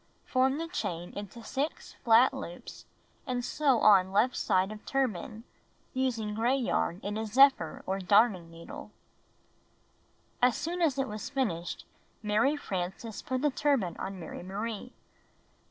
Form the chain into 6 flat loops and sew on left side of tur ban, using gray yarn in a zephyr or darning needle. As soon as it was finished, Mary Frances put the turban on Mary Marie.